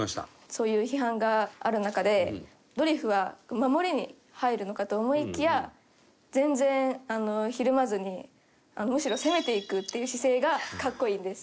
そういう批判がある中でドリフは守りに入るのかと思いきや全然ひるまずにむしろ攻めていくっていう姿勢が格好いいんです。